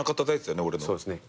そうですね。